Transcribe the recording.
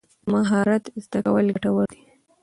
مهارت زده کول ګټور دي.